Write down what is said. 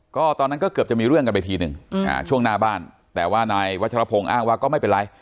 ก็ตอนนั้นก็เกือบจะมีเรื่องกันไปทีหนึ่งช่วงหน้าบ้านแต่ว่านายวัชรพงศ์อ้างว่าก็ไม่เป็นไร